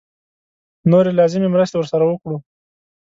نورې لازمې مرستې ورسره وکړو.